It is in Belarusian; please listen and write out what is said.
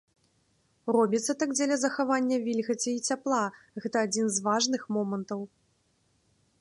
Робіцца так дзеля захавання вільгаці і цяпла, гэта адзін з важных момантаў.